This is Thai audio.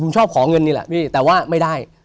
ผมชอบขอเงินนี่แหละพี่แต่ว่าไม่ได้